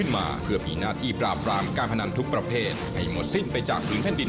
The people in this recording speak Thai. มือปราบผีพนัน